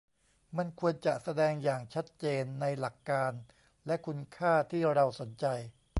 มันควรจะแสดงอย่างชัดเจนในหลักการและคุณค่าที่เราสนใจ